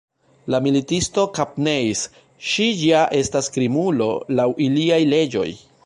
La militisto kapneis: “Ŝi ja estas krimulo laŭ iliaj leĝoj.